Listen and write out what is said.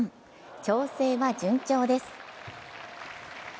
調整は順調です。